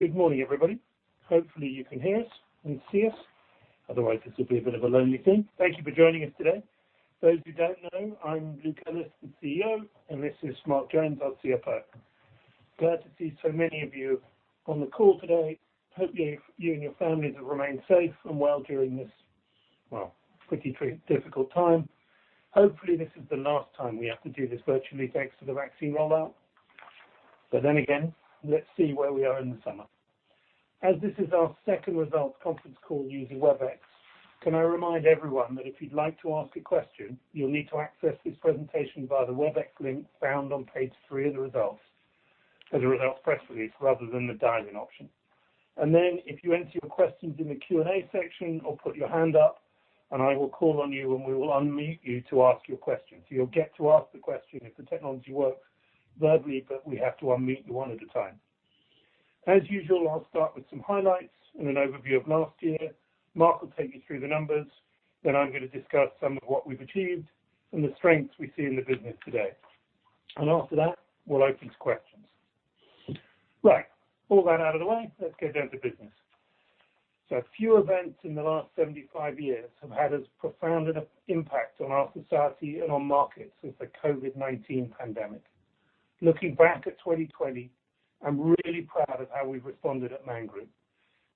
Good morning, everybody. Hopefully you can hear us and see us. Otherwise, this will be a bit of a lonely thing. Thank you for joining us today. For those who don't know, I'm Luke Ellis, the CEO, and this is Mark Jones, our CFO. Glad to see so many of you on the call today. Hopefully you and your families have remained safe and well during this pretty difficult time. Hopefully this is the last time we have to do this virtually, thanks to the vaccine rollout. Again, let's see where we are in the summer. As this is our second results conference call using Webex, can I remind everyone that if you'd like to ask a question, you'll need to access this presentation via the Webex link found on page three of the Results Press Release, rather than the dial-in option. If you enter your questions in the Q&A section or put your hand up, and I will call on you, and we will unmute you to ask your question. You'll get to ask the question if the technology works verbally, but we have to unmute you one at a time. As usual, I'll start with some highlights and an overview of last year. Mark will take you through the numbers, then I'm going to discuss some of what we've achieved and the strengths we see in the business today. After that, we'll open to questions. Right. All that out of the way, let's get down to business. A few events in the last 75 years have had as profound an impact on our society and on markets as the COVID-19 pandemic. Looking back at 2020, I'm really proud of how we've responded at Man Group.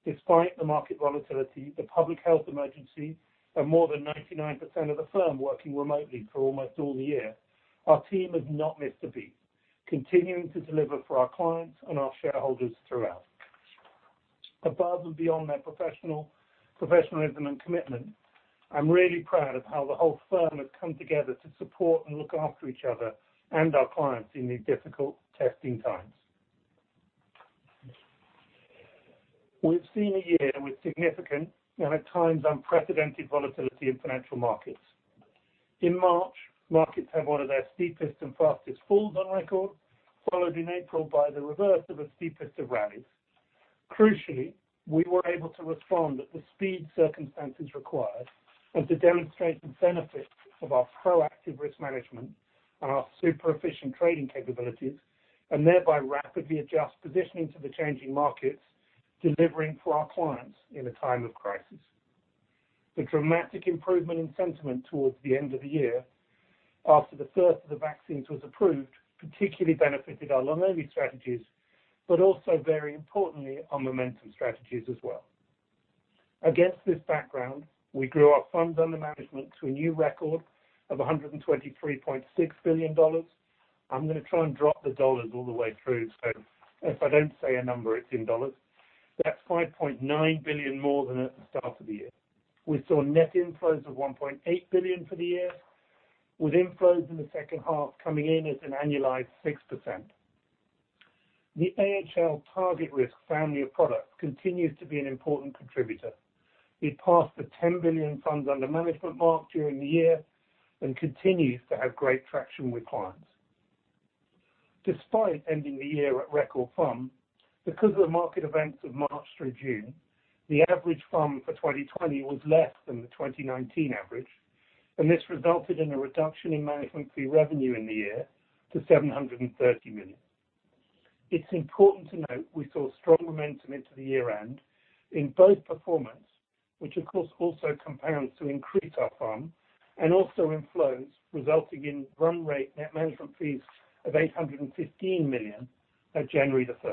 Despite the market volatility, the public health emergency, and more than 99% of the firm working remotely for almost all the year, our team has not missed a beat, continuing to deliver for our clients and our shareholders throughout. Above and beyond their professionalism and commitment, I am really proud of how the whole firm has come together to support and look after each other and our clients in these difficult testing times. We have seen a year with significant, and at times unprecedented volatility in financial markets. In March, markets had one of their steepest and fastest falls on record, followed in April by the reverse of the steepest of rallies. Crucially, we were able to respond at the speed circumstances required and to demonstrate the benefits of our proactive risk management and our super-efficient trading capabilities, and thereby rapidly adjust positioning to the changing markets, delivering for our clients in a time of crisis. The dramatic improvement in sentiment towards the end of the year, after the first of the vaccines was approved, particularly benefited our long-only strategies, but also very importantly, our momentum strategies as well. Against this background, we grew our funds under management to a new record of $123.6 billion. I'm going to try and drop the dollars all the way through, so if I don't say a number, it's in dollars. That's $5.9 billion more than at the start of the year. We saw net inflows of $1.8 billion for the year, with inflows in the second half coming in at an annualized 6%. The AHL TargetRisk family of products continues to be an important contributor. We passed the $10 billion funds under management mark during the year and continues to have great traction with clients. Despite ending the year at record fund, because of the market events of March through June, the average fund for 2020 was less than the 2019 average, and this resulted in a reduction in management fee revenue in the year to $730 million. It's important to note we saw strong momentum into the year-end in both performance, which of course also compounds to increase our fund, and also inflows, resulting in run rate net management fees of $815 million at January 1st.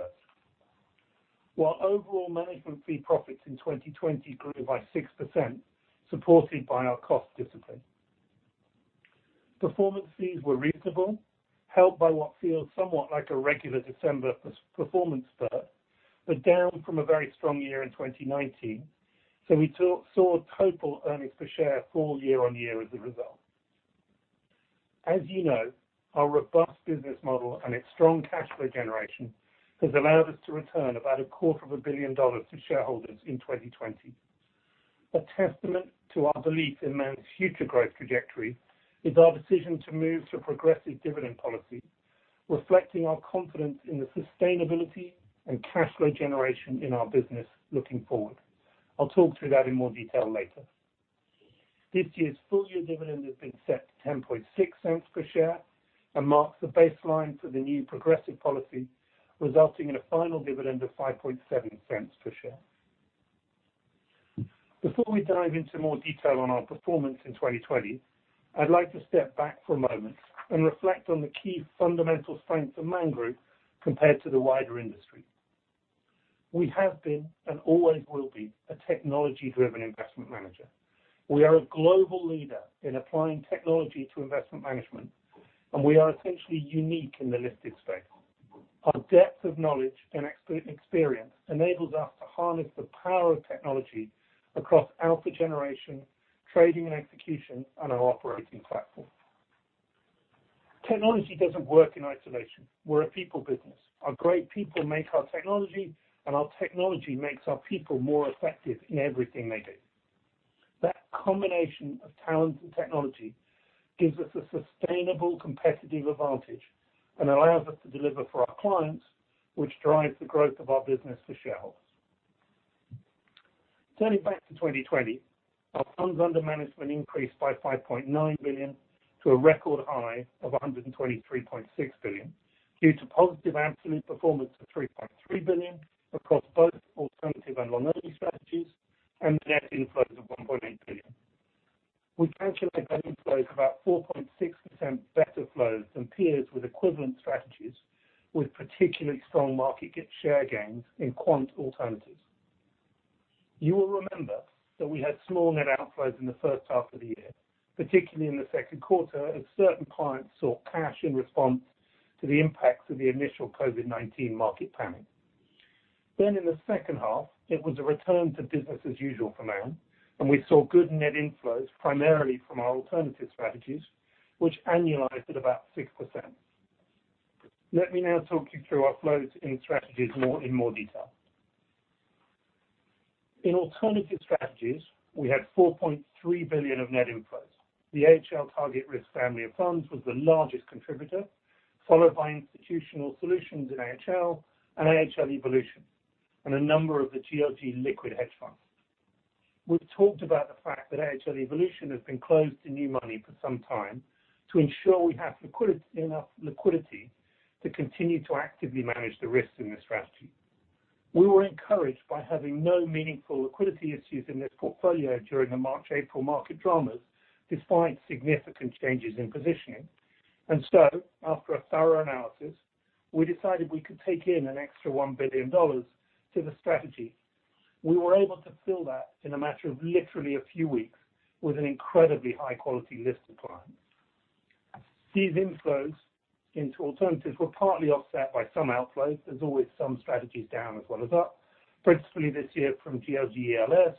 While overall management fee profits in 2020 grew by 6%, supported by our cost discipline. Performance fees were reasonable, helped by what feels somewhat like a regular December performance spurt, but down from a very strong year in 2019. We saw total earnings per share fall year-on-year as a result. As you know, our robust business model and its strong cash flow generation has allowed us to return about a quarter of a billion dollars to shareholders in 2020. A testament to our belief in Man's future growth trajectory is our decision to move to a progressive dividend policy, reflecting our confidence in the sustainability and cash flow generation in our business looking forward. I'll talk through that in more detail later. This year's full-year dividend has been set to $0.106 per share and marks the baseline for the new progressive policy, resulting in a final dividend of $0.057 per share. Before we dive into more detail on our performance in 2020, I'd like to step back for a moment and reflect on the key fundamental strengths of Man Group compared to the wider industry. We have been, and always will be, a technology-driven investment manager. We are a global leader in applying technology to investment management, and we are essentially unique in the listed space. Our depth of knowledge and experience enables us to harness the power of technology across alpha generation, trading and execution, and our operating platform. Technology doesn't work in isolation. We're a people business. Our great people make our technology, and our technology makes our people more effective in everything they do. That combination of talent and technology gives us a sustainable competitive advantage and allows us to deliver for our clients, which drives the growth of our business for shareholders. Turning back to 2020, our funds under management increased by $5.9 billion to a record high of $123.6 billion, due to positive absolute performance of $3.3 billion across both alternative and long-only strategies and net inflows of $1.8 billion. We calculate that inflows about 4.6% better flows than peers with equivalent strategies, with particularly strong market share gains in quant alternatives. You will remember that we had small net outflows in the first half of the year, particularly in the second quarter, as certain clients saw cash in response to the impacts of the initial COVID-19 market panic. In the second half, it was a return to business as usual for Man, and we saw good net inflows primarily from our alternative strategies, which annualized at about 6%. Let me now talk you through our flows in strategies in more detail. In alternative strategies, we had $4.3 billion of net inflows. The AHL TargetRisk family of funds was the largest contributor, followed by AHL Institutional Solutions in AHL and AHL Evolution, and a number of the GLG liquid hedge funds. We've talked about the fact that AHL Evolution has been closed to new money for some time to ensure we have enough liquidity to continue to actively manage the risks in this strategy. We were encouraged by having no meaningful liquidity issues in this portfolio during the March, April market dramas, despite significant changes in positioning. After a thorough analysis, we decided we could take in an extra $1 billion to the strategy. We were able to fill that in a matter of literally a few weeks with an incredibly high-quality list of clients. These inflows into alternatives were partly offset by some outflows. There's always some strategies down as well as up, principally this year from GLG ELS,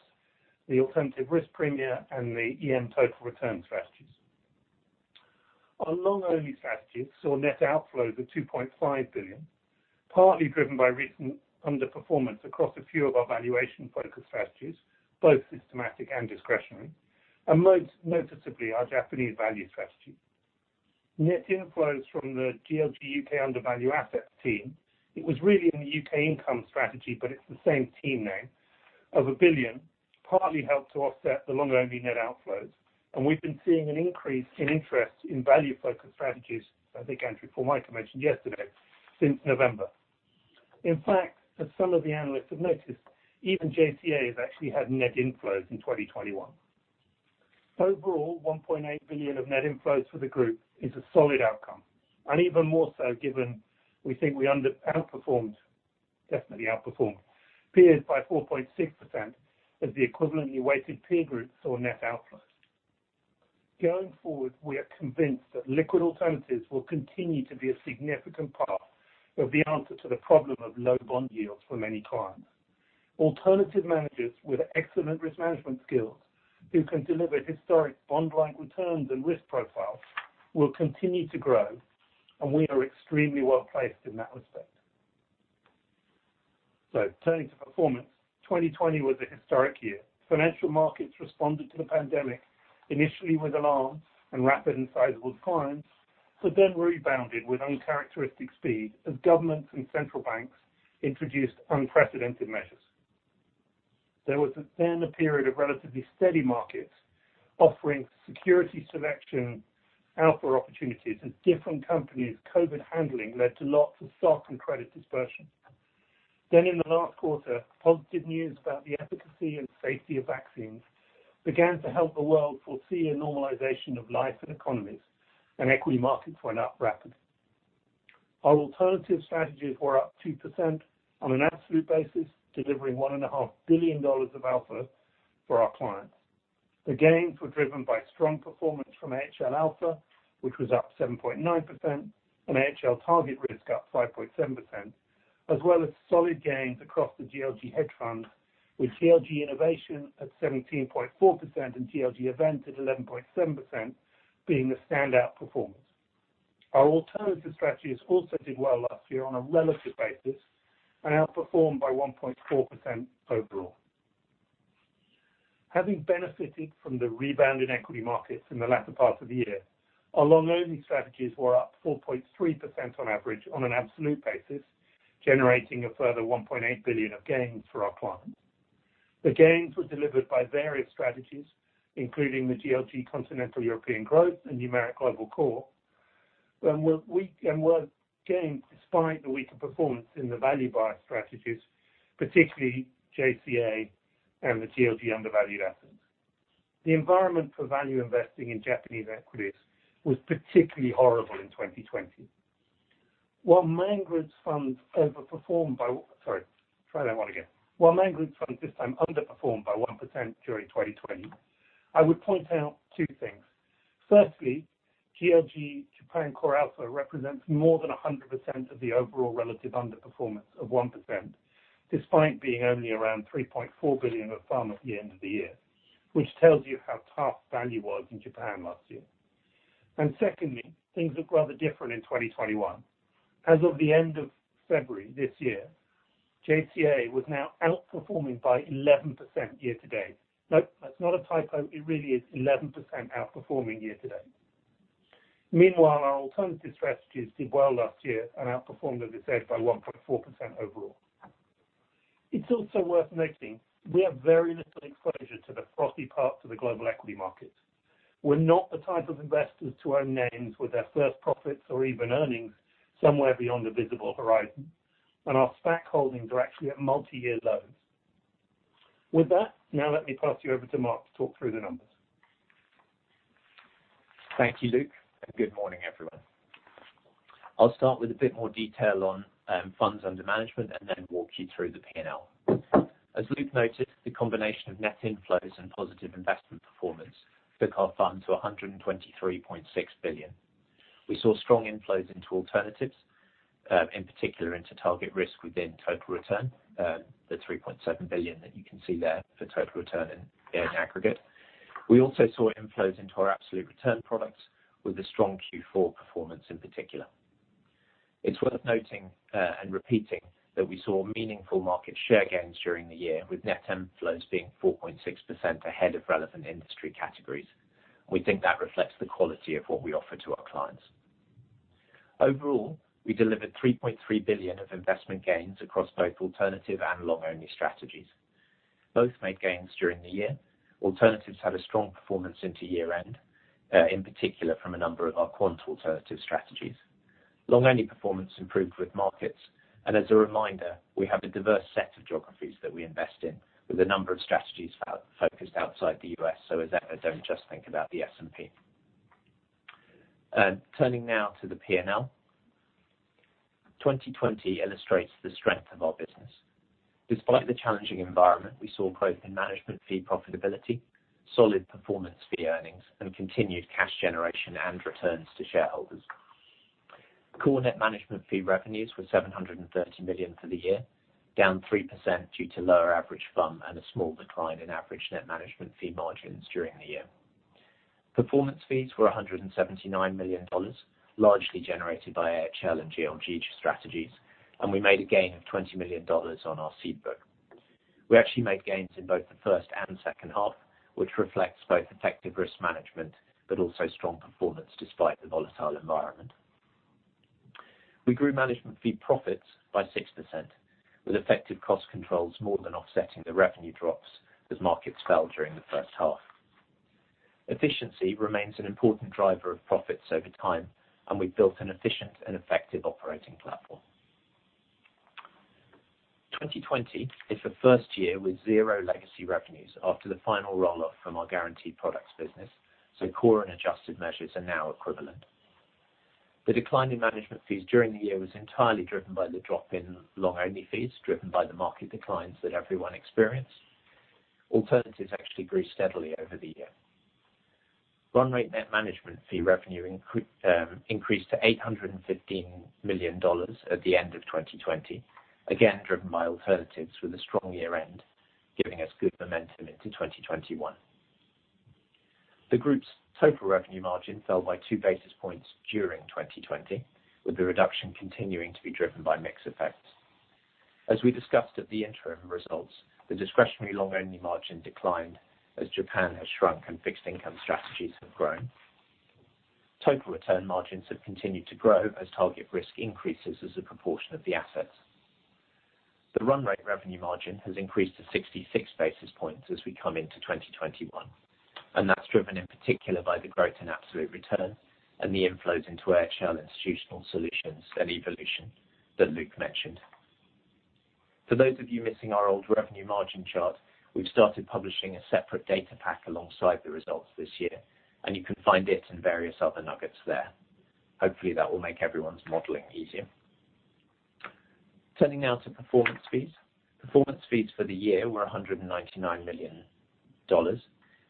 the alternative risk premia, and the EM Total Return strategies. Our long-only strategies saw net outflows of $2.5 billion, partly driven by recent underperformance across a few of our valuation-focused strategies, both systematic and discretionary, and most noticeably our Japanese value strategy. Net inflows from the GLG U.K. Undervalued Assets team, it was really in the U.K. income strategy, but it's the same team name, of $1 billion, partly helped to offset the long-only net outflows. We've been seeing an increase in interest in value-focused strategies, as I think Andrew Formica mentioned yesterday, since November. In fact, as some of the analysts have noticed, even JCA has actually had net inflows in 2021. Overall, $1.8 billion of net inflows for the group is a solid outcome, and even more so given we think we definitely outperformed peers by 4.6% as the equivalently weighted peer group saw net outflows. Going forward, we are convinced that liquid alternatives will continue to be a significant part of the answer to the problem of low bond yields for many clients. Alternative managers with excellent risk management skills who can deliver historic bond-like returns and risk profiles will continue to grow, and we are extremely well-placed in that respect. Turning to performance, 2020 was a historic year. Financial markets responded to the pandemic initially with alarm and rapid and sizable declines, but then rebounded with uncharacteristic speed as governments and central banks introduced unprecedented measures. There was a period of relatively steady markets offering security selection alpha opportunities as different companies' COVID-19 handling led to lots of stock and credit dispersion. In the last quarter, positive news about the efficacy and safety of vaccines began to help the world foresee a normalization of life and economies, and equity markets went up rapidly. Our alternative strategies were up 2% on an absolute basis, delivering $1.5 billion of alpha for our clients. The gains were driven by strong performance from AHL Alpha, which was up 7.9%, and AHL TargetRisk up 5.7%, as well as solid gains across the GLG hedge fund, with GLG Innovation at 17.4% and GLG Event at 11.7% being the standout performers. Our alternative strategies also did well last year on a relative basis and outperformed by 1.4% overall. Having benefited from the rebound in equity markets in the latter part of the year, our long-only strategies were up 4.3% on average on an absolute basis, generating a further $1.8 billion of gains for our clients. The gains were delivered by various strategies, including the GLG Continental European Growth and Numeric Global Core, and were gained despite the weaker performance in the value-bias strategies, particularly JCA and the GLG Undervalued Assets. The environment for value investing in Japanese equities was particularly horrible in 2020. While Man Group's funds this time underperformed by 1% during 2020, I would point out two things. Firstly, GLG Japan CoreAlpha represents more than 100% of the overall relative underperformance of 1%, despite being only around 3.4 billion of funds at the end of the year, which tells you how tough value was in Japan last year. Secondly, things look rather different in 2021. As of the end of February this year, JCA was now outperforming by 11% year-to-date. No, that's not a typo. It really is 11% outperforming year-to-date. Meanwhile, our alternatives strategies did well last year and outperformed, as I said, by 1.4% overall. It's also worth noting we have very little exposure to the frothy parts of the global equity market. We're not the type of investors to own names with their first profits or even earnings somewhere beyond the visible horizon. Our stock holdings are actually at multi-year lows. With that, now let me pass you over to Mark to talk through the numbers. Thank you, Luke, and good morning, everyone. I'll start with a bit more detail on funds under management and then walk you through the P&L. As Luke noted, the combination of net inflows and positive investment performance took our fund to $123.6 billion. We saw strong inflows into alternatives, in particular into TargetRisk within Total Return, the $3.7 billion that you can see there for Total Return in aggregate. We also saw inflows into our absolute return products with a strong Q4 performance in particular. It's worth noting and repeating that we saw meaningful market share gains during the year, with net inflows being 4.6% ahead of relevant industry categories. We think that reflects the quality of what we offer to our clients. Overall, we delivered $3.3 billion of investment gains across both alternative and long-only strategies. Both made gains during the year. Alternatives had a strong performance into year-end, in particular from a number of our quant alternative strategies. Long-only performance improved with markets, and as a reminder, we have a diverse set of geographies that we invest in, with a number of strategies focused outside the U.S. As ever, don't just think about the S&P. Turning now to the P&L. 2020 illustrates the strength of our business. Despite the challenging environment, we saw growth in management fee profitability, solid performance fee earnings, and continued cash generation and returns to shareholders. Core net management fee revenues were $730 million for the year, down 3% due to lower average FUM and a small decline in average net management fee margins during the year. Performance fees were $179 million, largely generated by AHL and GLG strategies, and we made a gain of $20 million on our seed book. We actually made gains in both the first and second half, which reflects both effective risk management, but also strong performance despite the volatile environment. We grew management fee profits by 6%, with effective cost controls more than offsetting the revenue drops as markets fell during the first half. Efficiency remains an important driver of profits over time, and we've built an efficient and effective operating platform. 2020 is the first year with zero legacy revenues after the final roll-off from our guaranteed products business, so core and adjusted measures are now equivalent. The decline in management fees during the year was entirely driven by the drop in long-only fees, driven by the market declines that everyone experienced. Alternatives actually grew steadily over the year. Run rate net management fee revenue increased to $815 million at the end of 2020, again driven by alternatives with a strong year-end, giving us good momentum into 2021. The group's total revenue margin fell by two basis points during 2020, with the reduction continuing to be driven by mix effects. As we discussed at the interim results, the discretionary long-only margin declined, as Japan has shrunk and fixed income strategies have grown. Total return margins have continued to grow as AHL TargetRisk increases as a proportion of the assets. The run rate revenue margin has increased to 66 basis points as we come into 2021. That's driven in particular by the growth in absolute return and the inflows into AHL Institutional Solutions and AHL Evolution that Luke mentioned. For those of you missing our old revenue margin chart, we've started publishing a separate data pack alongside the results this year, and you can find it and various other nuggets there. Hopefully, that will make everyone's modeling easier. Turning now to performance fees. Performance fees for the year were $199 million.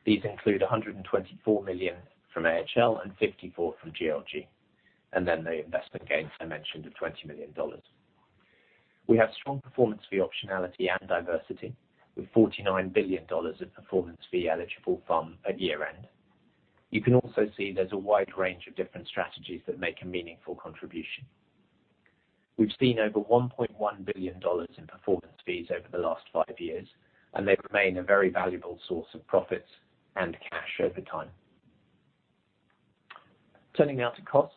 These include $124 million from AHL and $54 million from GLG, and then the investment gains I mentioned of $20 million. We have strong performance fee optionality and diversity, with $49 billion of performance fee eligible FUM at year-end. You can also see there's a wide range of different strategies that make a meaningful contribution. We've seen over $1.1 billion in performance fees over the last five years, and they remain a very valuable source of profits and cash over time. Turning now to costs.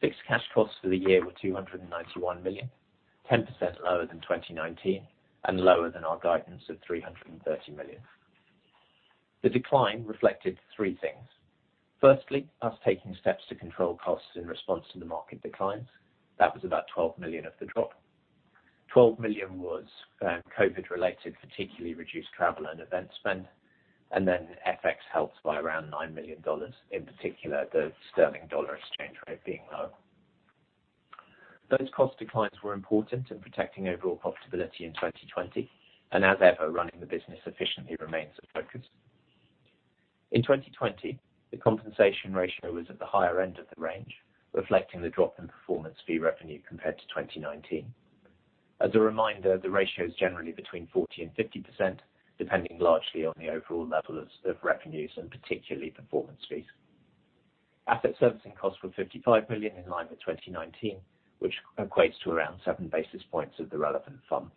Fixed cash costs for the year were $291 million, 10% lower than 2019 and lower than our guidance of $330 million. The decline reflected three things. Firstly, us taking steps to control costs in response to the market declines. That was about $12 million of the drop. $12 million was COVID-related, particularly reduced travel and event spend, and then FX helped by around $9 million, in particular, the sterling-dollar exchange rate being low. Those cost declines were important in protecting overall profitability in 2020, and as ever, running the business efficiently remains a focus. In 2020, the compensation ratio was at the higher end of the range, reflecting the drop in performance fee revenue compared to 2019. As a reminder, the ratio is generally between 40% and 50%, depending largely on the overall level of revenues and particularly performance fees. Asset servicing costs were $55 million, in line with 2019, which equates to around seven basis points of the relevant FUM.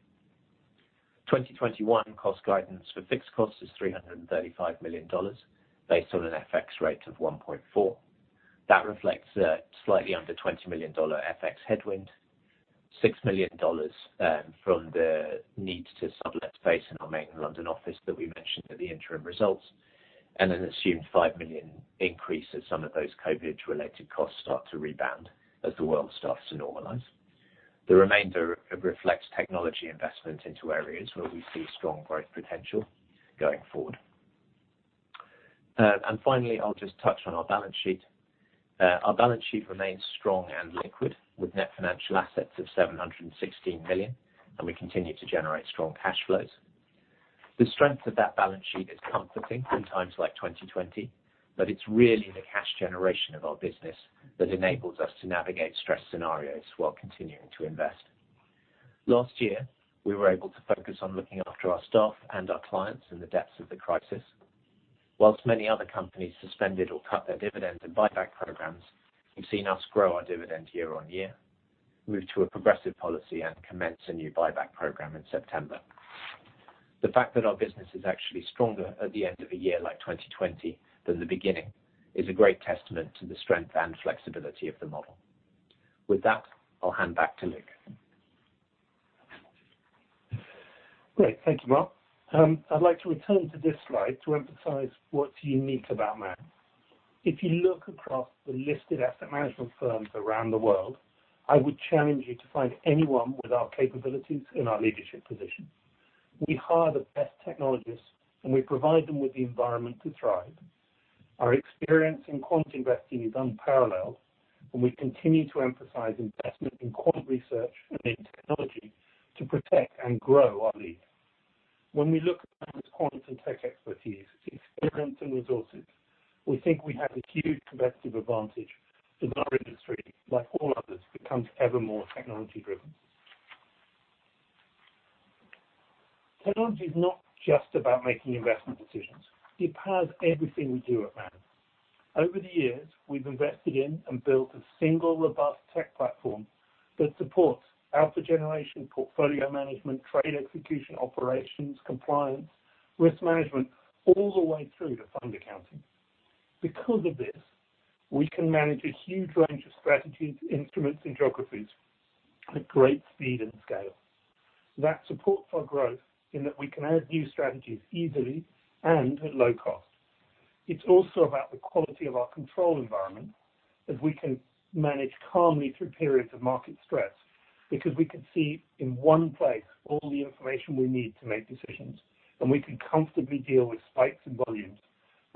2021 cost guidance for fixed cost is $335 million based on an FX rate of 1.4. That reflects a slightly under $20 million FX headwind, $6 million from the need to sublet space in our main London office that we mentioned at the interim results, and an assumed $5 million increase as some of those COVID-related costs start to rebound as the world starts to normalize. The remainder reflects technology investment into areas where we see strong growth potential going forward. Finally, I'll just touch on our balance sheet. Our balance sheet remains strong and liquid, with net financial assets of $716 million, and we continue to generate strong cash flows. The strength of that balance sheet is comforting in times like 2020, it's really the cash generation of our business that enables us to navigate stress scenarios while continuing to invest. Last year, we were able to focus on looking after our staff and our clients in the depths of the crisis. Many other companies suspended or cut their dividends and buyback programs, you've seen us grow our dividend year on year, move to a progressive policy and commence a new buyback program in September. The fact that our business is actually stronger at the end of a year like 2020 than the beginning is a great testament to the strength and flexibility of the model. With that, I'll hand back to Luke. Great. Thank you, Mark. I'd like to return to this slide to emphasize what's unique about Man. If you look across the listed asset management firms around the world, I would challenge you to find anyone with our capabilities in our leadership position. We hire the best technologists, and we provide them with the environment to thrive. Our experience in quant investing is unparalleled, and we continue to emphasize investment in quant research and in technology to protect and grow our lead. When we look at quant and tech expertise, its experience, and resources, we think we have a huge competitive advantage as our industry, like all others, becomes ever more technology-driven. Technology is not just about making investment decisions. It powers everything we do at Man. Over the years, we've invested in and built a single, robust tech platform that supports alpha generation, portfolio management, trade execution, operations, compliance, risk management, all the way through to fund accounting. Because of this, we can manage a huge range of strategies, instruments, and geographies with great speed and scale. That supports our growth in that we can add new strategies easily and at low cost. It's also about the quality of our control environment, as we can manage calmly through periods of market stress because we can see in one place all the information we need to make decisions, and we can comfortably deal with spikes in volumes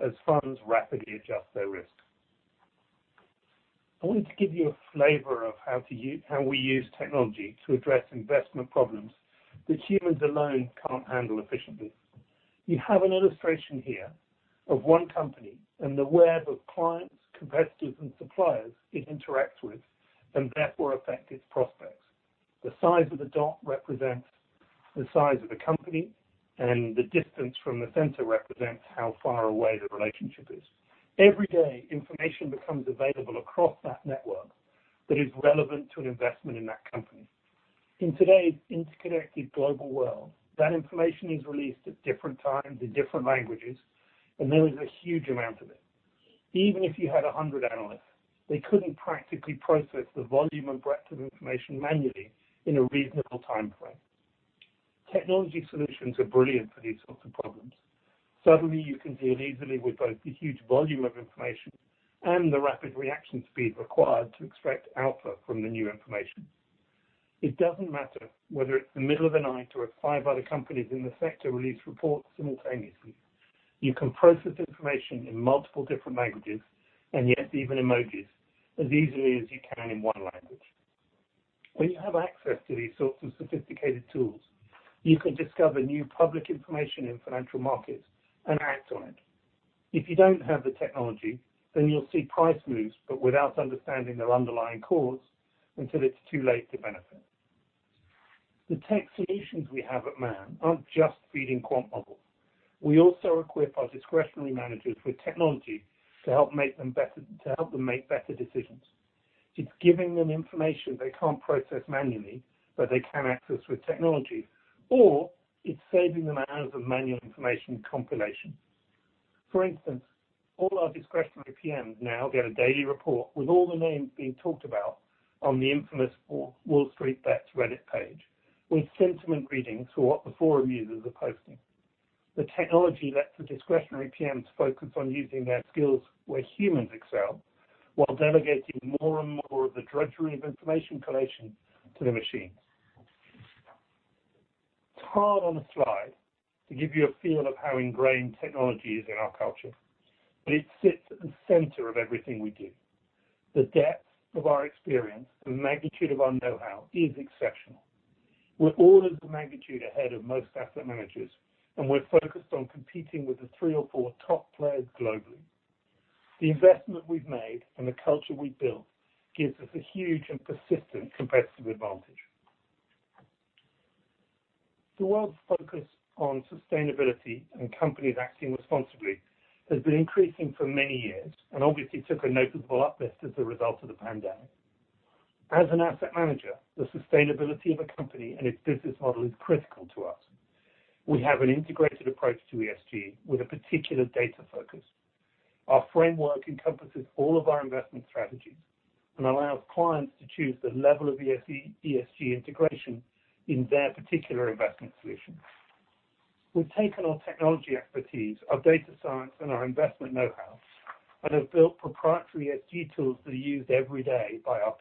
as funds rapidly adjust their risk. I wanted to give you a flavor of how we use technology to address investment problems that humans alone can't handle efficiently. You have an illustration here of one company and the web of clients, competitors, and suppliers it interacts with and therefore affect its prospects. The size of the dot represents the size of the company, and the distance from the center represents how far away the relationship is. Every day, information becomes available across that network that is relevant to an investment in that company. In today's interconnected global world, that information is released at different times in different languages, and there is a huge amount of it. Even if you had 100 analysts, they couldn't practically process the volume and breadth of information manually in a reasonable timeframe. Technology solutions are brilliant for these sorts of problems. Suddenly, you can deal easily with both the huge volume of information and the rapid reaction speed required to extract output from the new information. It doesn't matter whether it's the middle of the night or if five other companies in the sector release reports simultaneously. You can process information in multiple different languages, and yet even emojis, as easily as you can in one language. When you have access to these sorts of sophisticated tools, you can discover new public information in financial markets and act on it. If you don't have the technology, then you'll see price moves, but without understanding their underlying cause until it's too late to benefit. The tech solutions we have at Man aren't just feeding quant models. We also equip our discretionary managers with technology to help them make better decisions. It's giving them information they can't process manually, but they can access with technology, or it's saving them hours of manual information compilation. For instance, all our discretionary PMs now get a daily report with all the names being talked about on the infamous WallStreetBets Reddit page, with sentiment readings for what the forum users are posting. The technology lets the discretionary PMs focus on using their skills where humans excel while delegating more and more of the drudgery of information collation to the machines. It's hard on a slide to give you a feel of how ingrained technology is in our culture, but it sits at the center of everything we do. The depth of our experience and magnitude of our know-how is exceptional. We're orders of magnitude ahead of most asset managers, and we're focused on competing with the three or four top players globally. The investment we've made and the culture we've built gives us a huge and persistent competitive advantage. The world's focus on sustainability and companies acting responsibly has been increasing for many years and obviously took a notable uplift as a result of the pandemic. As an asset manager, the sustainability of a company and its business model is critical to us. We have an integrated approach to ESG with a particular data focus. Our framework encompasses all of our investment strategies and allows clients to choose the level of ESG integration in their particular investment solution. We've taken our technology expertise, our data science, and our investment know-how and have built proprietary ESG tools that are used every day by our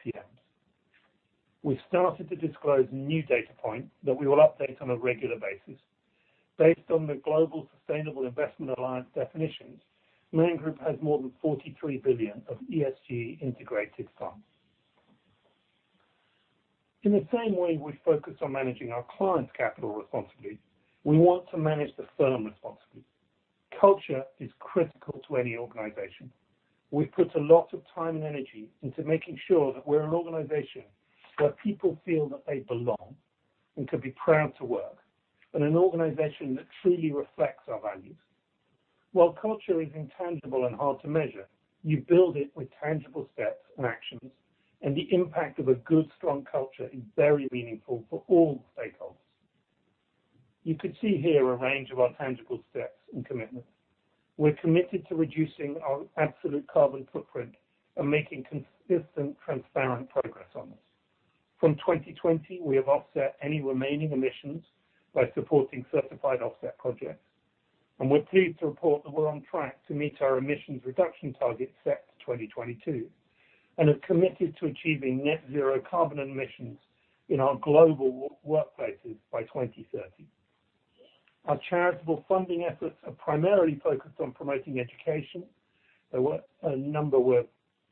PMs. We've started to disclose new data points that we will update on a regular basis. Based on the Global Sustainable Investment Alliance definitions, Man Group has more than $43 billion of ESG integrated funds. In the same way we focus on managing our clients' capital responsibly, we want to manage the firm responsibly. Culture is critical to any organization. We put a lot of time and energy into making sure that we're an organization where people feel that they belong and can be proud to work, and an organization that truly reflects our values. While culture is intangible and hard to measure, you build it with tangible steps and actions, and the impact of a good, strong culture is very meaningful for all stakeholders. You can see here a range of our tangible steps and commitments. We're committed to reducing our absolute carbon footprint and making consistent, transparent progress on this. From 2020, we have offset any remaining emissions by supporting certified offset projects, and we're pleased to report that we're on track to meet our emissions reduction targets set for 2022 and have committed to achieving net zero carbon emissions in our global workplaces by 2030. Our charitable funding efforts are primarily focused on promoting education, although a number were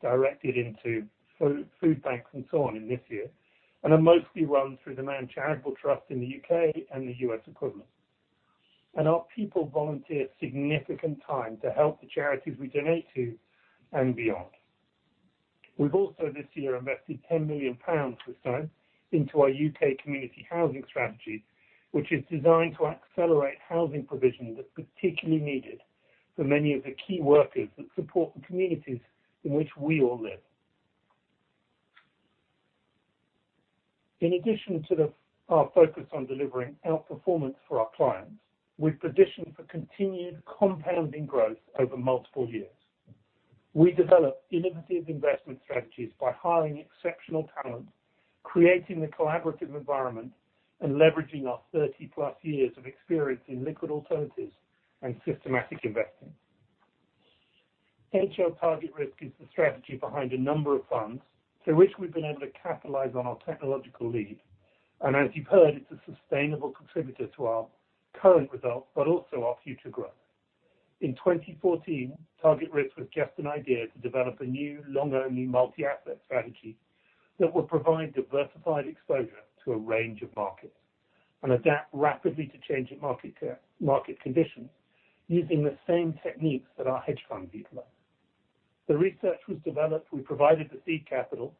directed into food banks and so on in this year, and are mostly run through the Man Charitable Trust in the U.K. and the U.S. equivalent. Our people volunteer significant time to help the charities we donate to and beyond. We've also this year invested $10 million this time into our U.K. community housing strategy, which is designed to accelerate housing provision that's particularly needed for many of the key workers that support the communities in which we all live. In addition to our focus on delivering outperformance for our clients, we've positioned for continued compounding growth over multiple years. We develop innovative investment strategies by hiring exceptional talent, creating the collaborative environment, and leveraging our 30+ years of experience in liquid alternatives and systematic investing. AHL TargetRisk is the strategy behind a number of funds through which we've been able to capitalize on our technological lead. As you've heard, it's a sustainable contributor to our current results, but also our future growth. In 2014, TargetRisk was just an idea to develop a new long-only multi-asset strategy that would provide diversified exposure to a range of markets and adapt rapidly to changing market conditions using the same techniques that our hedge funds utilize. The research was developed. We provided the seed capital.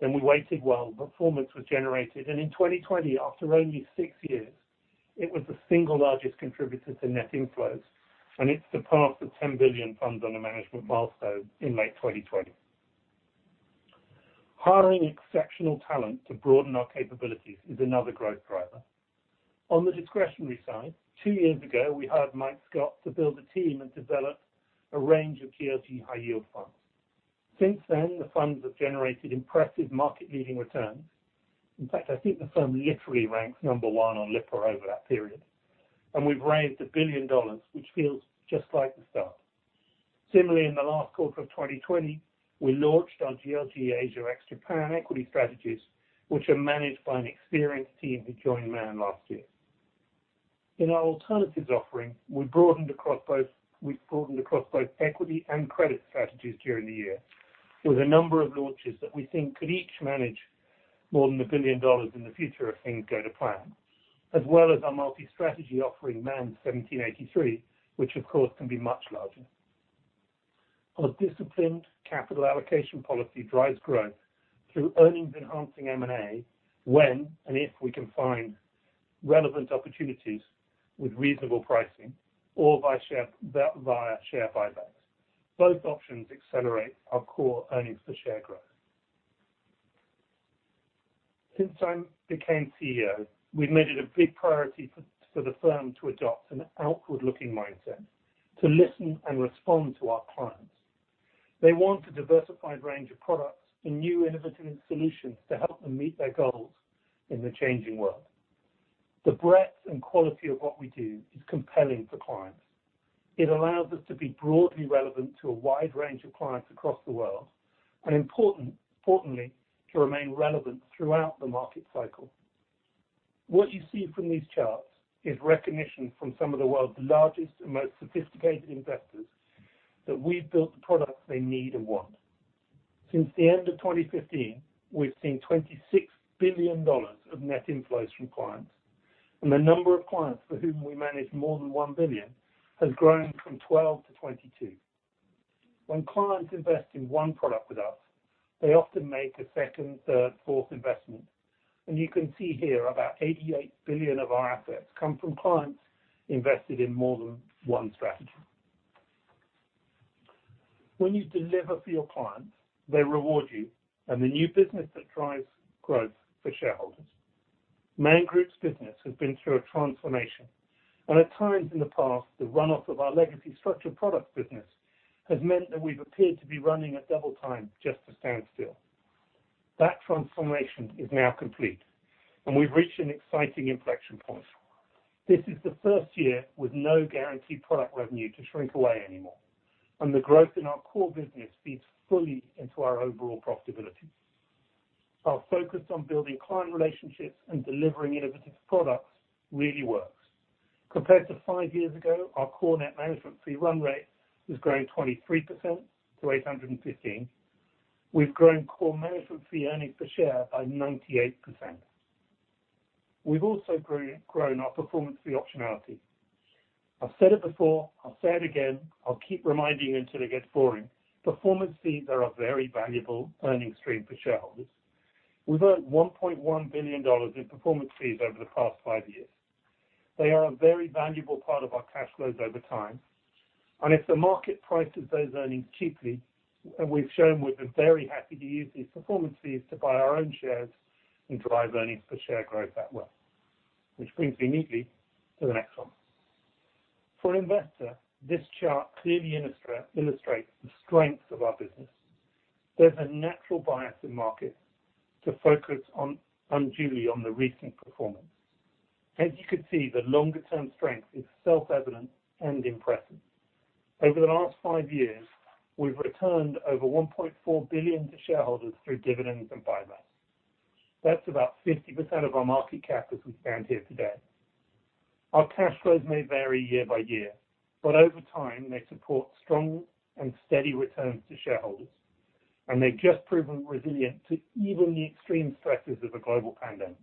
We waited while performance was generated, and in 2020, after only six years, it was the single largest contributor to net inflows, and it surpassed the $10 billion funds under management milestone in late 2020. Hiring exceptional talent to broaden our capabilities is another growth driver. On the discretionary side, two years ago, we hired Mike Scott to build a team and develop a range of GLG high-yield funds. Since then, the funds have generated impressive market-leading returns. In fact, I think the firm literally ranks number one on Lipper over that period. We've raised $1 billion, which feels just like the start. In the last quarter of 2020, we launched our GLG Asia ex Japan equity strategies, which are managed by an experienced team who joined Man last year. In our alternatives offering, we broadened across both equity and credit strategies during the year with a number of launches that we think could each manage more than $1 billion in the future if things go to plan, as well as our multi-strategy offering, Man 1783, which of course can be much larger. Our disciplined capital allocation policy drives growth through earnings-enhancing M&A when and if we can find relevant opportunities with reasonable pricing or via share buybacks. Both options accelerate our core earnings per share growth. Since I became CEO, we've made it a big priority for the firm to adopt an outward-looking mindset, to listen and respond to our clients. They want a diversified range of products and new innovative solutions to help them meet their goals in the changing world. The breadth and quality of what we do is compelling for clients. It allows us to be broadly relevant to a wide range of clients across the world, and importantly, to remain relevant throughout the market cycle. What you see from these charts is recognition from some of the world's largest and most sophisticated investors that we've built the products they need and want. Since the end of 2015, we've seen $26 billion of net inflows from clients, and the number of clients for whom we manage more than $1 billion has grown from 12 to 22. When clients invest in one product with us, they often make a second, third, fourth investment, and you can see here about $88 billion of our assets come from clients invested in more than one strategy. When you deliver for your clients, they reward you and the new business that drives growth for shareholders. Man Group's business has been through a transformation, and at times in the past, the runoff of our legacy structured products business has meant that we've appeared to be running at double time just to stand still. That transformation is now complete, and we've reached an exciting inflection point. This is the first year with no guaranteed product revenue to shrink away anymore, and the growth in our core business feeds fully into our overall profitability. Our focus on building client relationships and delivering innovative products really works. Compared to five years ago, our core net management fee run rate has grown 23% to $815 million. We've grown core management fee earnings per share by 98%. We've also grown our performance fee optionality. I've said it before, I'll say it again, I'll keep reminding you until it gets boring. Performance fees are a very valuable earning stream for shareholders. We've earned $1.1 billion in performance fees over the past five years. They are a very valuable part of our cash flows over time. If the market prices those earnings cheaply, and we've shown we've been very happy to use these performance fees to buy our own shares and drive earnings per share growth that way. Which brings me neatly to the next one. For an investor, this chart clearly illustrates the strength of our business. There's a natural bias in market to focus unduly on the recent performance. As you can see, the longer-term strength is self-evident and impressive. Over the last five years, we've returned over $1.4 billion to shareholders through dividends and buybacks. That's about 50% of our market cap as we stand here today. Our cash flows may vary year by year, but over time, they support strong and steady returns to shareholders, and they've just proven resilient to even the extreme stresses of a global pandemic.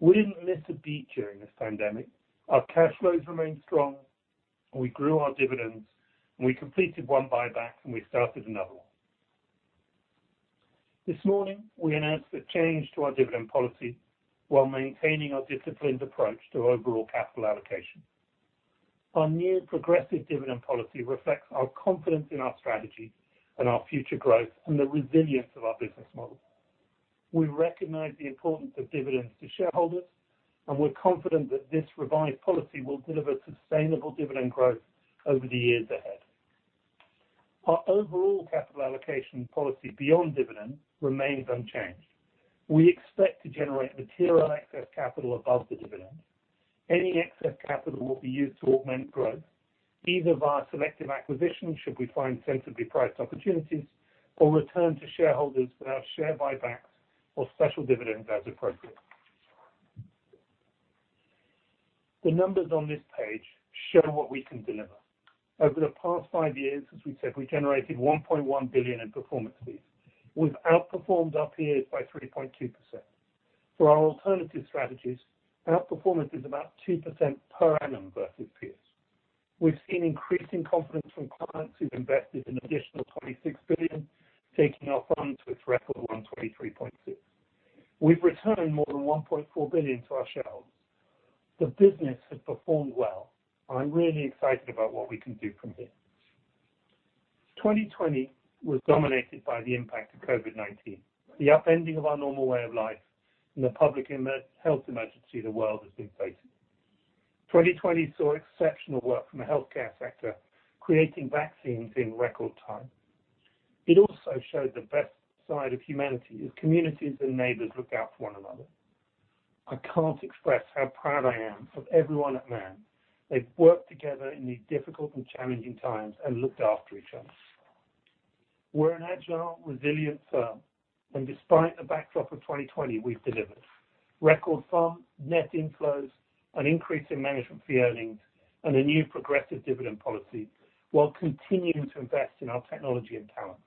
We didn't miss a beat during this pandemic. Our cash flows remained strong. We grew our dividends, and we completed one buyback, and we started another one. This morning, we announced a change to our dividend policy while maintaining our disciplined approach to overall capital allocation. Our new progressive dividend policy reflects our confidence in our strategy and our future growth and the resilience of our business model. We recognize the importance of dividends to shareholders, and we're confident that this revised policy will deliver sustainable dividend growth over the years ahead. Our overall capital allocation policy beyond dividends remains unchanged. We expect to generate material excess capital above the dividend. Any excess capital will be used to augment growth, either via selective acquisitions should we find sensibly priced opportunities or return to shareholders via share buybacks or special dividends as appropriate. The numbers on this page show what we can deliver. Over the past five years, as we said, we generated $1.1 billion in performance fees. We've outperformed our peers by 3.2%. For our alternative strategies, our performance is about 2% per annum versus peers. We've seen increasing confidence from clients who've invested an additional $26 billion, taking our funds to its record $123.6. We've returned more than $1.4 billion to our shareholders. The business has performed well. I'm really excited about what we can do from here. 2020 was dominated by the impact of COVID-19, the upending of our normal way of life, and the public health emergency the world has been facing. 2020 saw exceptional work from the healthcare sector, creating vaccines in record time. It also showed the best side of humanity as communities and neighbors looked out for one another. I can't express how proud I am of everyone at Man. They've worked together in these difficult and challenging times and looked after each other. We're an agile, resilient firm, and despite the backdrop of 2020, we've delivered. Record funds, net inflows, an increase in management fee earnings, and a new progressive dividend policy while continuing to invest in our technology and talent.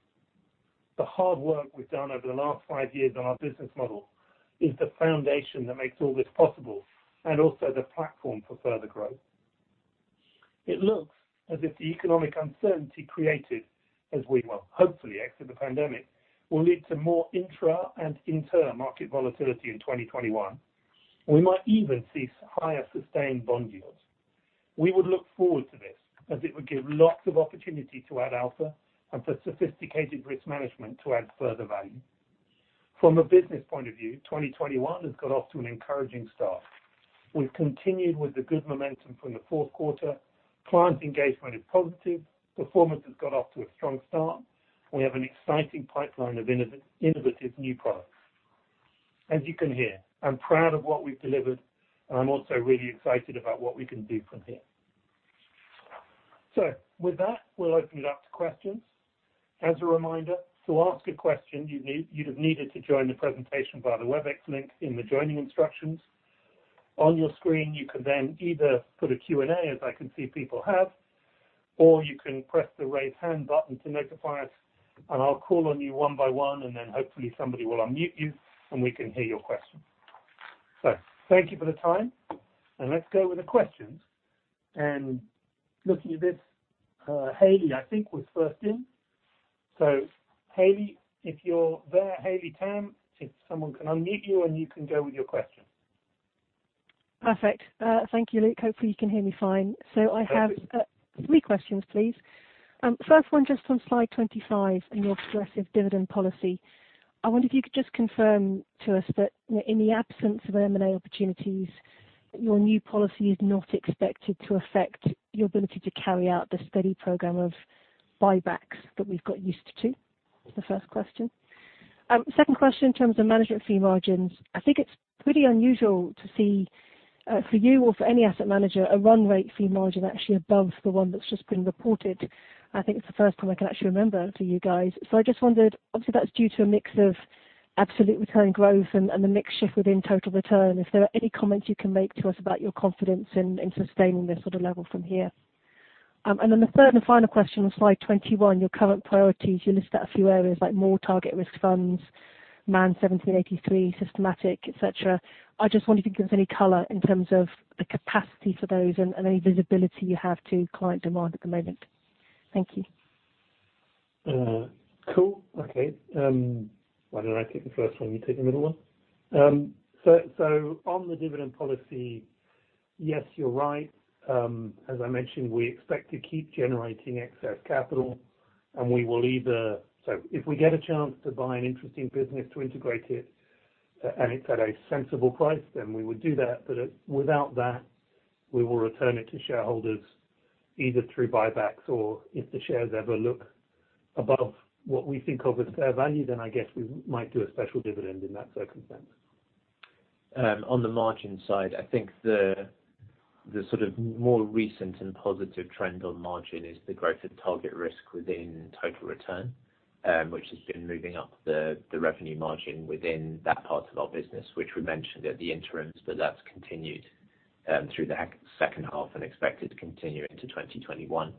The hard work we've done over the last five years on our business model is the foundation that makes all this possible and also the platform for further growth. It looks as if the economic uncertainty created as we, well, hopefully exit the pandemic, will lead to more intra and inter-market volatility in 2021. We might even see higher sustained bond yields. We would look forward to this as it would give lots of opportunity to add alpha and for sophisticated risk management to add further value. From a business point of view, 2021 has got off to an encouraging start. We've continued with the good momentum from the fourth quarter. Client engagement is positive. Performance has got off to a strong start. We have an exciting pipeline of innovative new products. As you can hear, I'm proud of what we've delivered, and I'm also really excited about what we can do from here. With that, we'll open it up to questions. As a reminder, to ask a question, you'd have needed to join the presentation via the Webex link in the joining instructions. On your screen, you can then either put a Q&A, as I can see people have, or you can press the raise hand button to notify us, and I'll call on you one by one, and then hopefully somebody will unmute you, and we can hear your question. Thank you for the time, and let's go with the questions. Looking at this, Haley, I think, was first in. Haley, if you're there, Haley Tam, if someone can unmute you, and you can go with your question. Perfect. Thank you, Luke. Hopefully you can hear me fine. Perfect. I have three questions, please. First one just on slide 25 and your progressive dividend policy. I wonder if you could just confirm to us that in the absence of M&A opportunities, your new policy is not expected to affect your ability to carry out the steady program of buybacks that we've got used to. That's the first question. Second question in terms of management fee margins. I think it's pretty unusual to see, for you or for any asset manager, a run rate fee margin actually above the one that's just been reported. I think it's the first time I can actually remember for you guys. I just wondered, obviously, that's due to a mix of absolute return growth and the mix shift within total return. If there are any comments you can make to us about your confidence in sustaining this sort of level from here? Then the third and final question on slide 21, your current priorities. You listed out a few areas like more target risk funds, Man 1783, systematic, et cetera. I just wonder if you can give us any color in terms of the capacity for those and any visibility you have to client demand at the moment. Thank you. Cool. Okay. Why don't I take the first one, you take the middle one? On the dividend policy, yes, you're right. As I mentioned, we expect to keep generating excess capital, we will either if we get a chance to buy an interesting business to integrate it, and it's at a sensible price, we would do that. Without that, we will return it to shareholders, either through buybacks or if the shares ever look above what we think of as fair value, I guess we might do a special dividend in that circumstance. On the margin side, I think the more recent and positive trend on margin is the greater AHL TargetRisk within Total Return, which has been moving up the revenue margin within that part of our business, which we mentioned at the interims, but that's continued through the second half and expected to continue into 2021.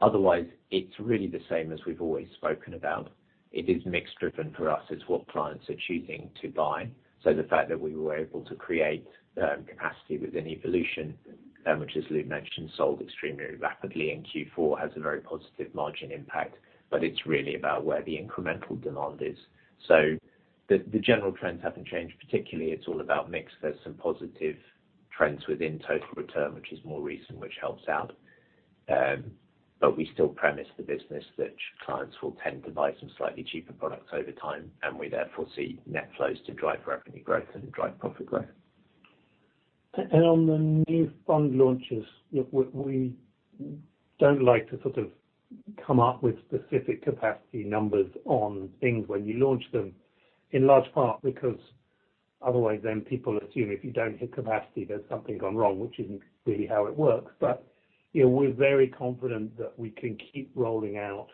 Otherwise, it's really the same as we've always spoken about. It is mix-driven for us. It's what clients are choosing to buy. The fact that we were able to create capacity within AHL Evolution, which as Luke mentioned, sold extremely rapidly in Q4, has a very positive margin impact, but it's really about where the incremental demand is. The general trends haven't changed, particularly it's all about mix. There's some positive trends within Total Return, which is more recent, which helps out. We still premise the business that clients will tend to buy some slightly cheaper products over time, and we therefore see net flows to drive revenue growth and drive profit growth. On the new fund launches, we don't like to come up with specific capacity numbers on things when you launch them, in large part because otherwise then people assume if you don't hit capacity, there's something gone wrong, which isn't really how it works. We're very confident that we can keep rolling out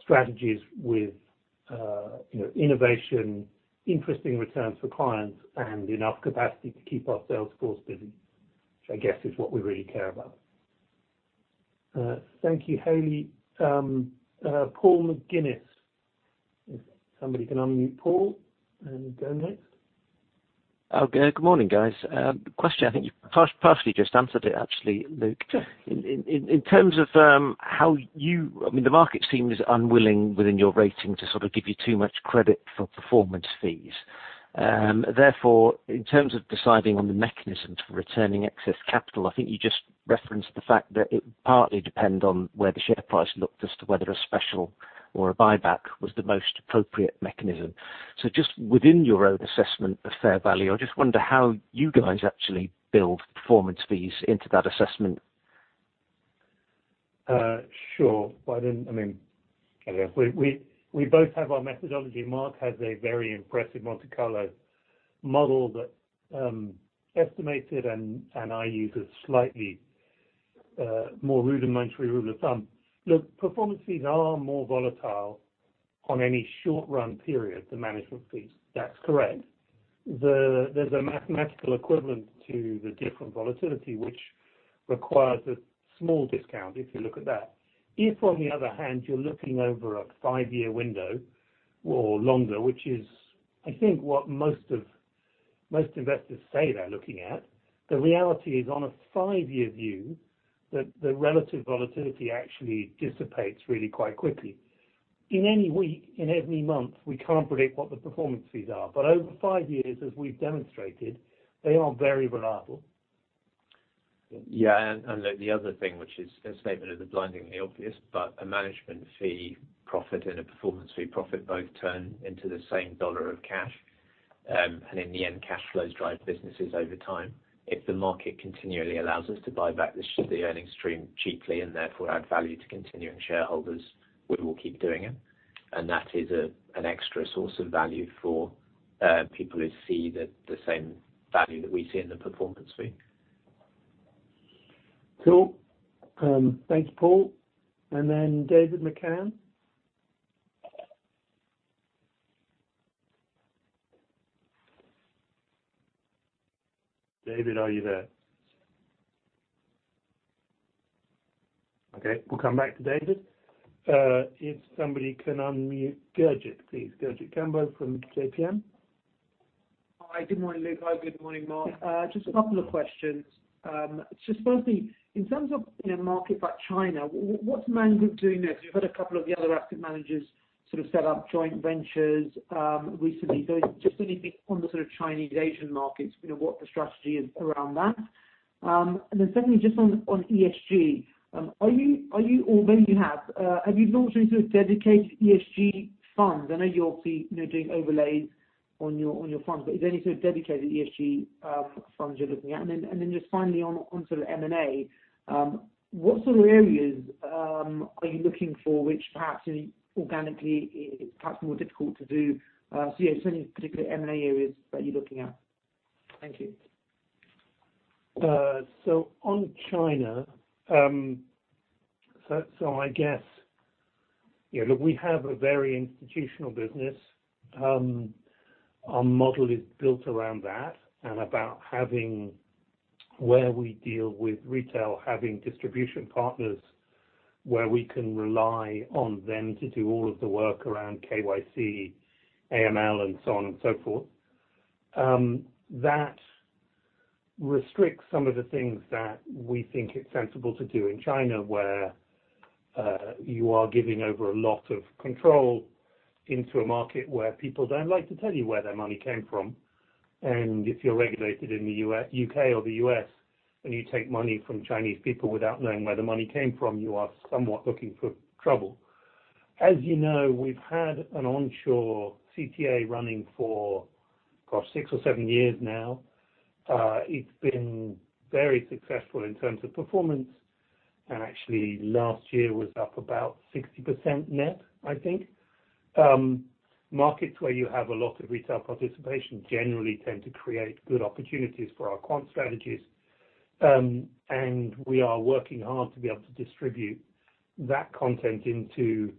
strategies with innovation, interesting returns for clients, and enough capacity to keep our sales force busy, which I guess is what we really care about. Thank you, Hayley. Paul McGuinness. If somebody can unmute Paul and go next. Okay. Good morning, guys. The question, I think you partially just answered it actually, Luke. Sure. The market seems unwilling within your rating to give you too much credit for performance fees. In terms of deciding on the mechanisms for returning excess capital, I think you just referenced the fact that it would partly depend on where the share price looked as to whether a special or a buyback was the most appropriate mechanism. Just within your own assessment of fair value, I just wonder how you guys actually build performance fees into that assessment. Sure. We both have our methodology. Mark has a very impressive Monte Carlo model that estimates it, and I use a slightly more rudimentary rule of thumb. Look, performance fees are more volatile on any short-run period than management fees. That's correct. There's a mathematical equivalent to the different volatility, which requires a small discount if you look at that. If, on the other hand, you're looking over a five-year window or longer, which is I think what most investors say they're looking at, the reality is on a five-year view, that the relative volatility actually dissipates really quite quickly. In any week, in every month, we can't predict what the performance fees are. Over five years, as we've demonstrated, they are very reliable. Yeah, look, the other thing, which is a statement of the blindingly obvious, a management fee profit and a performance fee profit both turn into the same dollar of cash. In the end, cash flows drive businesses over time. If the market continually allows us to buy back the earnings stream cheaply and therefore add value to continuing shareholders, we will keep doing it. That is an extra source of value for people who see the same value that we see in the performance fee. Cool. Thank you, Paul. Then David McCann. David, are you there? Okay, we'll come back to David. If somebody can unmute Gurjit, please. Gurjit Kambo from JPM. Hi, good morning, Luke. Hi, good morning, Mark. Just a couple of questions. Firstly, in terms of a market like China, what's Man Group doing next? We've heard a couple of the other asset managers set up joint ventures recently. Just wondering on the Chinese Asian markets, what the strategy is around that. Secondly, just on ESG. Maybe you have you launched any dedicated ESG funds? I know you're obviously doing overlays on your funds, but is there any dedicated ESG funds you're looking at? Finally on sort of M&A, what sort of areas are you looking for which perhaps organically it's perhaps more difficult to do? Yeah, any particular M&A areas that you're looking at? Thank you. On China, I guess look, we have a very institutional business. Our model is built around that and about having, where we deal with retail, having distribution partners where we can rely on them to do all of the work around KYC, AML, and so on and so forth. That restricts some of the things that we think it's sensible to do in China, where you are giving over a lot of control into a market where people don't like to tell you where their money came from. If you're regulated in the U.K. or the U.S., and you take money from Chinese people without knowing where the money came from, you are somewhat looking for trouble. As you know, we've had an onshore CTA running for, gosh, six or seven years now. It's been very successful in terms of performance. Actually, last year was up about 60% net, I think. Markets where you have a lot of retail participation generally tend to create good opportunities for our quant strategies. We are working hard to be able to distribute that content into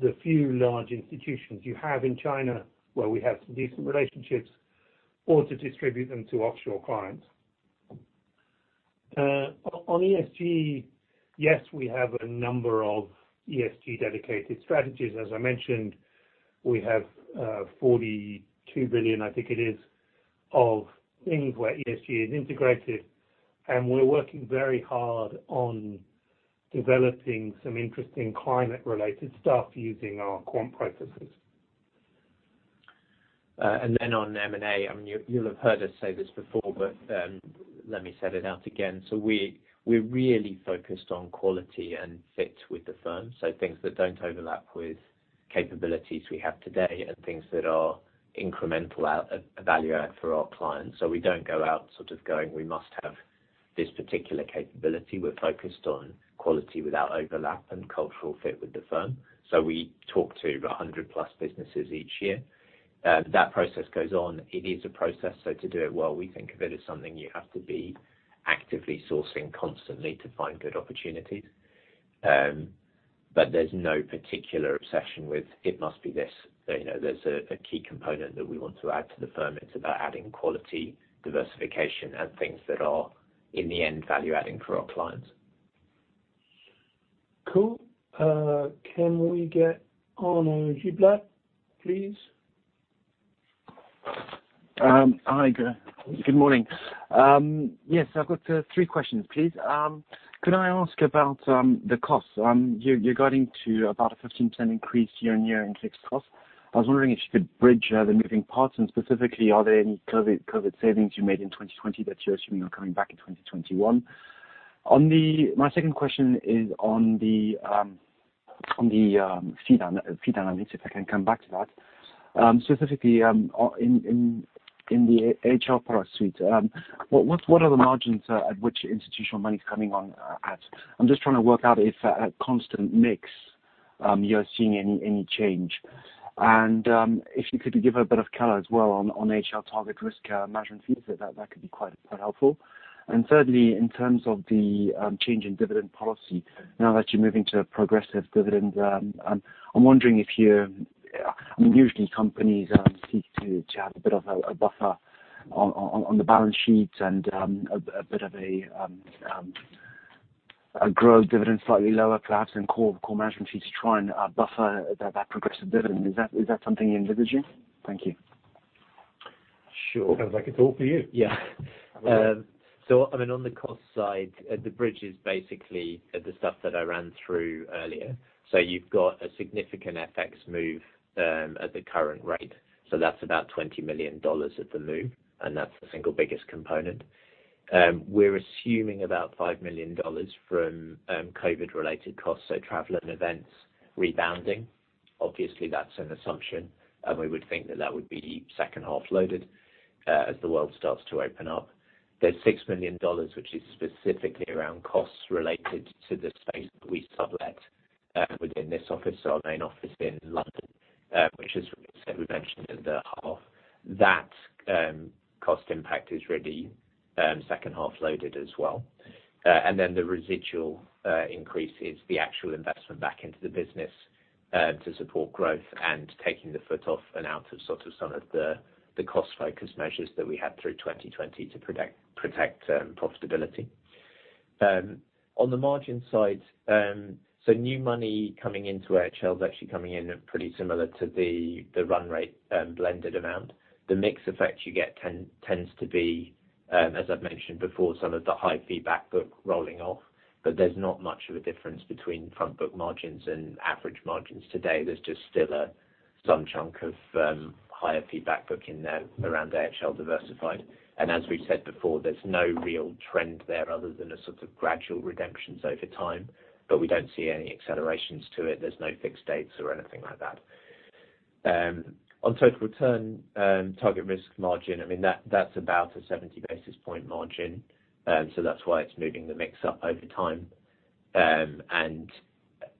the few large institutions you have in China, where we have some decent relationships or to distribute them to offshore clients. On ESG, yes, we have a number of ESG dedicated strategies. As I mentioned, we have $42 billion, I think it is, of things where ESG is integrated, and we're working very hard on developing some interesting climate-related stuff using our quant processes. Then on M&A, you'll have heard us say this before, but let me set it out again. We're really focused on quality and fit with the firm. Things that don't overlap with capabilities we have today and things that are incremental value add for our clients. We don't go out sort of going, "We must have this particular capability." We're focused on quality without overlap and cultural fit with the firm. We talk to 100-plus businesses each year. That process goes on. It is a process, so to do it well, we think of it as something you have to be actively sourcing constantly to find good opportunities. There's no particular obsession with, "It must be this." There's a key component that we want to add to the firm. It's about adding quality, diversification, and things that are, in the end, value-adding for our clients. Cool. Can we get on to Giblat, please? Hi. Good morning. Yes, I've got three questions, please. Could I ask about the costs? You're guiding to about a 15% increase year-on-year in fixed cost. I was wondering if you could bridge the moving parts. Specifically, are there any COVID savings you made in 2020 that you're assuming are coming back in 2021? My second question is on the fee dynamics, if I can come back to that. Specifically, in the AHL product suite, what are the margins at which institutional money's coming on at? I'm just trying to work out if at constant mix you're seeing any change. If you could give a bit of color as well on AHL TargetRisk management fees, that could be quite helpful. Thirdly, in terms of the change in dividend policy, now that you're moving to progressive dividends, I'm wondering if usually companies seek to have a bit of a buffer on the balance sheet and a bit of a grow dividend slightly lower perhaps than core management fees to try and buffer that progressive dividend. Is that something you're envisaging? Thank you. Sure. Sounds like it's all for you. Yeah. On the cost side, the bridge is basically the stuff that I ran through earlier. You've got a significant FX move at the current rate. That's about $20 million of the move, and that's the single biggest component. We're assuming about $5 million from COVID-related costs, so travel and events rebounding. Obviously, that's an assumption, and we would think that that would be second-half loaded as the world starts to open up. There's $6 million, which is specifically around costs related to the space that we sublet within this office, so our main office in London, which as we mentioned in the half. That cost impact is really second-half loaded as well. The residual increase is the actual investment back into the business to support growth and taking the foot off and out of some of the cost focus measures that we had through 2020 to protect profitability. On the margin side, new money coming into AHL is actually coming in at pretty similar to the run rate blended amount. The mix effect you get tends to be, as I've mentioned before, some of the high fee back book rolling off, there's not much of a difference between front book margins and average margins today. There's just still some chunk of higher fee back book in there around AHL Diversified. As we've said before, there's no real trend there other than a gradual redemptions over time, we don't see any accelerations to it. There's no fixed dates or anything like that. Total return, TargetRisk margin, that's about a 70-basis-point margin. That's why it's moving the mix up over time.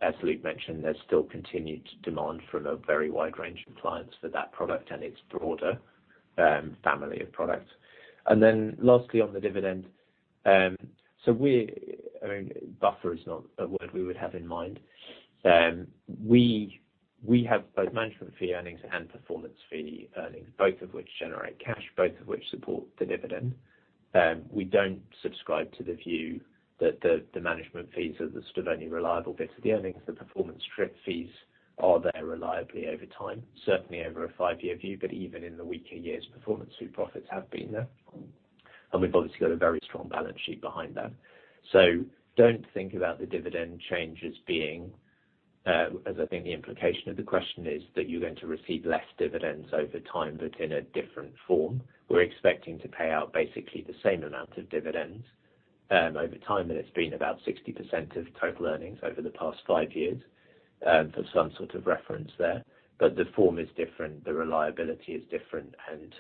As Luke mentioned, there's still continued demand from a very wide range of clients for that product and its broader family of products. Lastly, on the dividend. Buffer is not a word we would have in mind. We have both management fee earnings and performance fee earnings, both of which generate cash, both of which support the dividend. We don't subscribe to the view that the management fees are the sort of only reliable bit of the earnings. The performance trip fees are there reliably over time, certainly over a five-year view, but even in the weaker years, performance fee profits have been there. We've obviously got a very strong balance sheet behind that. Don't think about the dividend changes being, as I think the implication of the question is, that you're going to receive less dividends over time, but in a different form. We're expecting to pay out basically the same amount of dividends. Over time it has been about 60% of total earnings over the past five years, for some sort of reference there. The form is different, the reliability is different, and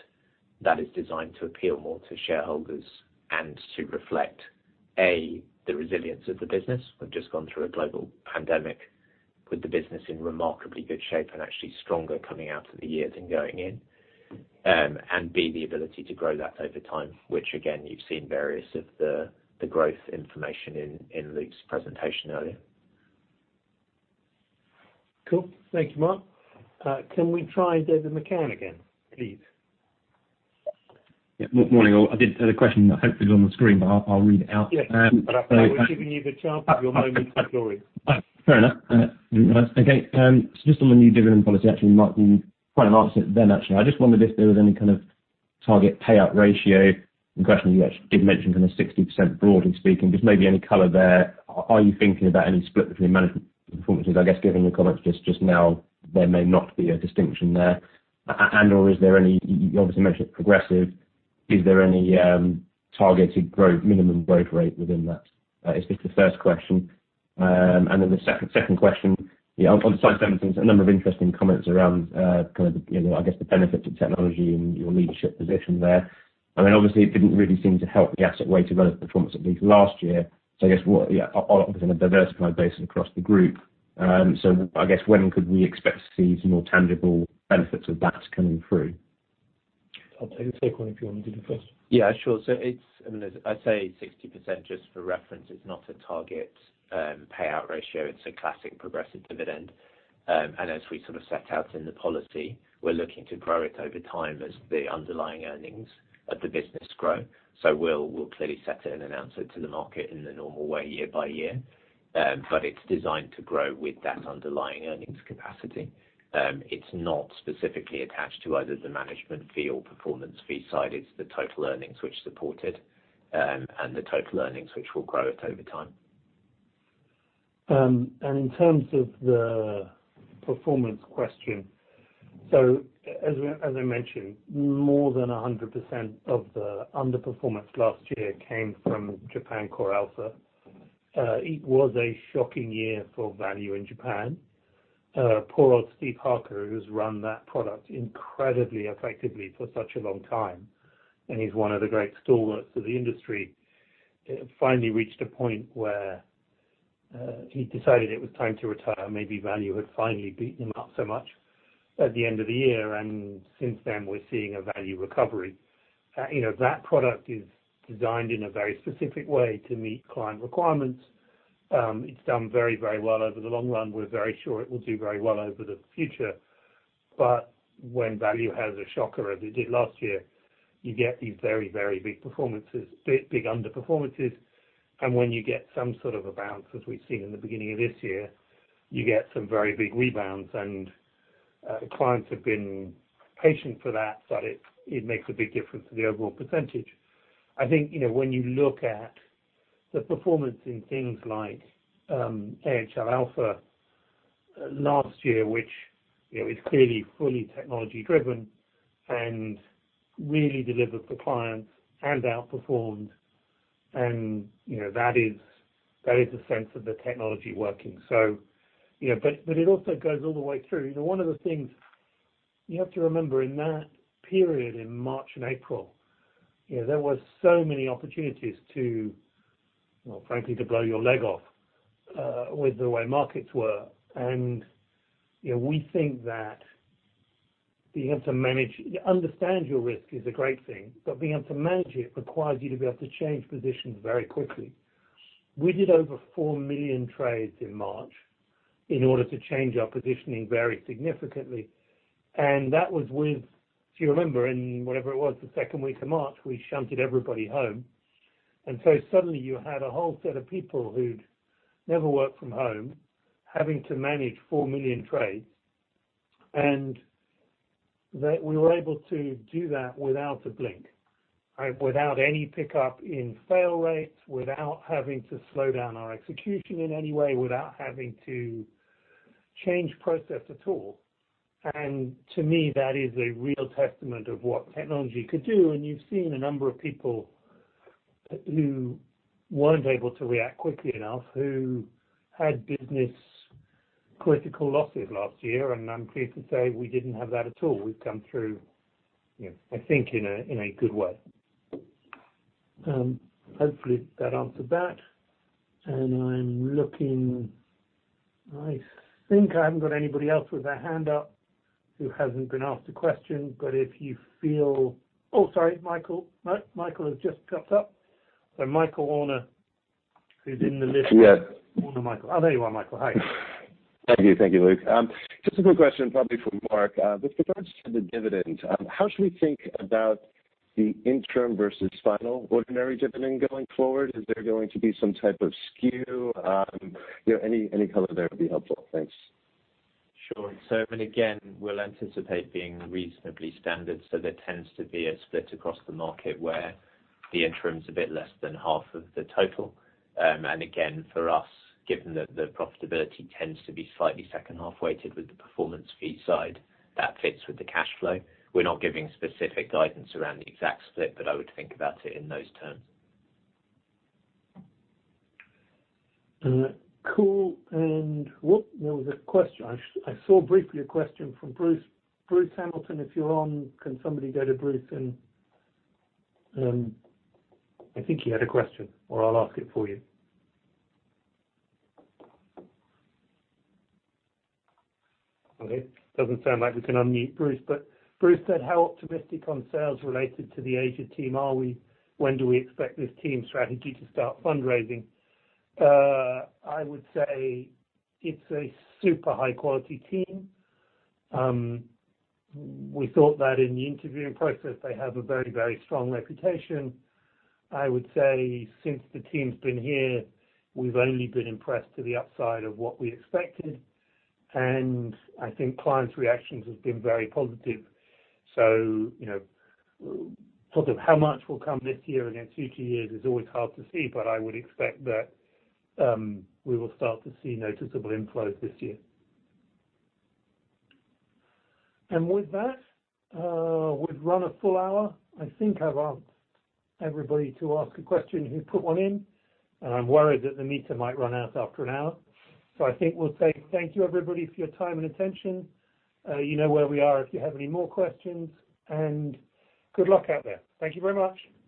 that is designed to appeal more to shareholders and to reflect, A, the resilience of the business. We've just gone through a global pandemic with the business in remarkably good shape and actually stronger coming out of the year than going in. B, the ability to grow that over time, which again, you've seen various of the growth information in Luke's presentation earlier. Cool. Thank you, Mark. Can we try David McCann again, please? Yeah. Morning all. I did had a question hopefully on the screen, but I'll read it out. Yes. We're giving you the chance of your moment of glory. Fair enough. Okay, just on the new dividend policy, actually, Mark, quite an opposite then, actually. I just wondered if there was any kind of target payout ratio. You actually did mention kind of 60% broadly speaking, just maybe any color there. You obviously mentioned it's progressive, is there any targeted minimum growth rate within that? It's just the first question. The second question on the side, there's a number of interesting comments around the benefit of technology and your leadership position there. Obviously it didn't really seem to help the asset-weighted relative performance, at least last year. I guess on a diversified basis across the group, so I guess when could we expect to see more tangible benefits of that coming through? I'll take one if you want me to first. Yeah, sure. I say 60%, just for reference, it's not a target payout ratio, it's a classic progressive dividend. As we sort of set out in the policy, we're looking to grow it over time as the underlying earnings of the business grow. We'll clearly set it and announce it to the market in the normal way year by year. It's designed to grow with that underlying earnings capacity. It's not specifically attached to either the management fee or performance fee side. It's the total earnings which support it, and the total earnings which will grow it over time. In terms of the performance question. As I mentioned, more than 100% of the underperformance last year came from GLG Japan CoreAlpha. It was a shocking year for value in Japan. Poor old Stephen Harker, who's run that product incredibly effectively for such a long time, and he's one of the great stalwarts of the industry. It finally reached a point where he decided it was time to retire. Maybe value had finally beaten him up so much at the end of the year, and since then, we're seeing a value recovery. That product is designed in a very specific way to meet client requirements. It's done very, very well over the long run. We're very sure it will do very well over the future. When value has a shocker, as it did last year, you get these very, very big underperformances. When you get some sort of a bounce, as we've seen in the beginning of this year, you get some very big rebounds and the clients have been patient for that. It makes a big difference to the overall percentage. I think, when you look at the performance in things like AHL Alpha last year, which is clearly fully technology-driven and really delivered for clients and outperformed, and that is a sense of the technology working. It also goes all the way through. One of the things you have to remember in that period in March and April, there were so many opportunities to, frankly, to blow your leg off with the way markets were. We think that being able to understand your risk is a great thing, but being able to manage it requires you to be able to change positions very quickly. We did over 4 million trades in March in order to change our positioning very significantly. That was with, if you remember, in whatever it was, the second week of March, we shunted everybody home. Suddenly you had a whole set of people who'd never worked from home having to manage 4 million trades. That we were able to do that without a blink. Without any pickup in fail rates, without having to slow down our execution in any way, without having to change process at all. To me, that is a real testament of what technology could do, and you've seen a number of people who weren't able to react quickly enough, who had business-critical losses last year, and I'm pleased to say we didn't have that at all. We've come through, I think, in a good way. Hopefully that answered that. I'm looking. I think I haven't got anybody else with their hand up who hasn't been asked a question. Oh, sorry, Michael. No, Michael has just put up. Michael Werner, who's in the list. Yes Werner, Michael. Oh, there you are, Michael. Hi. Thank you. Thank you, Luke. Just a quick question, probably for Mark. With regards to the dividend, how should we think about the interim versus final ordinary dividend going forward? Is there going to be some type of skew? Any color there would be helpful. Thanks. Sure. Again, we'll anticipate being reasonably standard, so there tends to be a split across the market where the interim's a bit less than half of the total. Again, for us, given that the profitability tends to be slightly second half weighted with the performance fee side, that fits with the cash flow. We're not giving specific guidance around the exact split, but I would think about it in those terms. Cool. There was a question. I saw briefly a question from Bruce. Bruce Hamilton, if you're on, can somebody go to Bruce and I think he had a question, or I'll ask it for you. Okay. Doesn't sound like we can unmute Bruce, but Bruce said, "How optimistic on sales related to the Asia team are we? When do we expect this team strategy to start fundraising?" I would say it's a super high-quality team. We thought that in the interviewing process. They have a very strong reputation. I would say since the team's been here, we've only been impressed to the upside of what we expected, and I think clients' reactions have been very positive. How much will come this year against future years is always hard to see, but I would expect that we will start to see noticeable inflows this year. With that, we've run a full hour. I think I've asked everybody to ask a question who put one in, and I'm worried that the meter might run out after an hour. I think we'll say thank you, everybody, for your time and attention. You know where we are if you have any more questions. Good luck out there. Thank you very much.